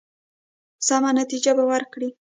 سمه نتیجه به ورکړي.